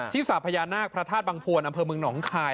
ที่สาพญานาคพระธาตุบังฑวรอำเภอเมืองหนองคลาย